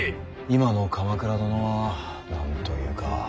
今の鎌倉殿は何と言うか。